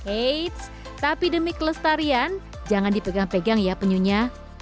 eits tapi demi kelestarian jangan dipegang pegang ya penyunya